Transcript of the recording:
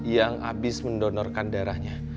yang habis mendonorkan darahnya